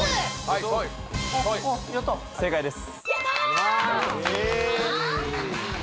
正解です。